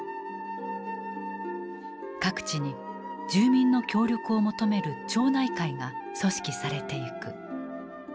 各地に住民の協力を求める「町内会」が組織されていく。